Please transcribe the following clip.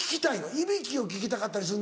いびきを聞きたかったりするの？